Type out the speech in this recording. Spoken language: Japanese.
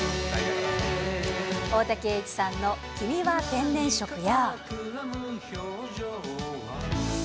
大滝詠一さんの君は天然色や。